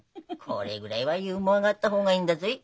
これぐらいはユーモアがあった方がいいんだぞい。